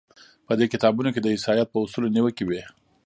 په دې کتابونو کې د عیسایت په اصولو نیوکې وې.